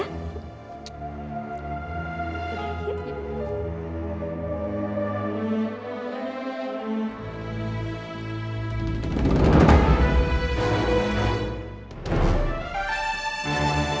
pak pak pak